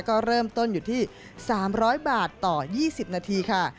ก็เริ่มต้นอยู่ที่๓๐๐บาทต่อ๒๐นาทีค่ะ